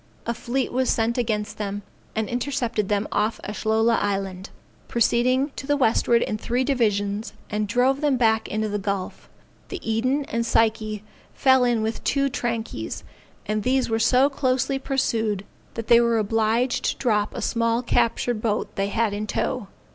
A fleet was sent against them, and intercepted them off Ashlola Island, proceeding to the westward in three divisions; and drove them back into the gulf. The Eden and Psyche fell in with two trankies, and these were so closely pursued that they were obliged to drop a small captured boat they had in tow.